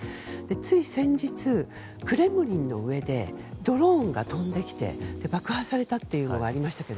つい先日、クレムリンの上でドローンが飛んできて爆破されたというのがありましたが。